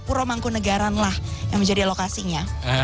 puro mangkunagaran lah yang menjadi lokasinya